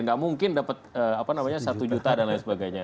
nggak mungkin dapat apa namanya satu juta dan lain sebagainya